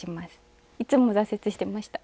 いつも挫折してました。